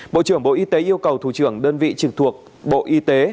bộ trưởng bộ y tế yêu cầu thủ trưởng đơn vị trực thuộc bộ y tế